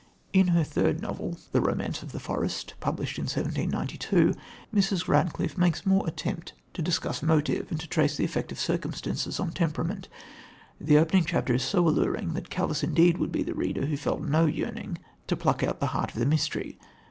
In her third novel, The Romance of the Forest, published in 1792, Mrs. Radcliffe makes more attempt to discuss motive and to trace the effect of circumstances on temperament. The opening chapter is so alluring that callous indeed would be the reader who felt no yearning to pluck out the heart of the mystery.